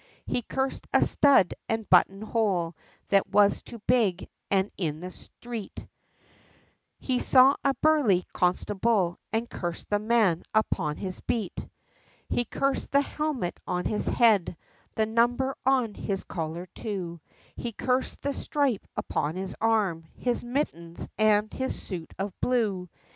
He cursed a stud and button hole that was too big; and in the street, He saw a burly constable, and cursed the man upon his beat, He cursed the helmet on his head, the number on his collar, too; He cursed the stripe upon his arm, his mittens, and his suit of blue.